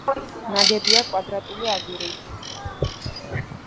ნაგებია კვადრატული აგურით.